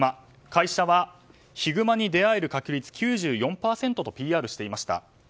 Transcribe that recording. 会社はヒグマに出会える確率９４％とＰＲしていました。